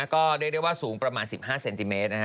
ก็ได้เรียกว่าสูงประมาณ๑๕เซนติเมตร